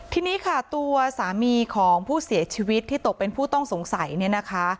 ทีนี้ค่ะตัวสามีของผู้เสียชีวิตที่ตกเป็นผู้ต้องสงสัยเนี่ยนะคะ